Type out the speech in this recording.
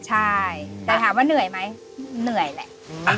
ใช่แต่ถามว่าเหนื่อยไหมเหนื่อยแหละ